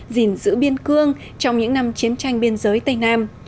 gìn giữ biên cương trong những năm chiến tranh biên giới tây nam